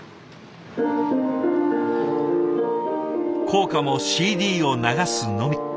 校歌もＣＤを流すのみ。